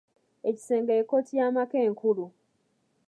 Ekisenge y'ekkooti y'amaka enkulu.